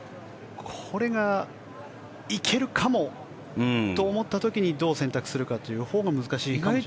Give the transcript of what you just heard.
これが行けるかもと思った時どう選択するかというほうが難しいかもしれないですね。